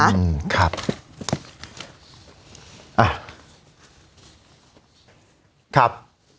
อ่ะครับ